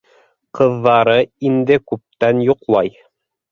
Ҡыҙҙары инде күптән йоҡлай.